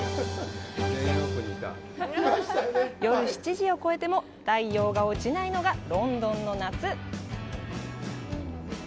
夜７時を越えても、太陽が落ちないのがロンドンの夏。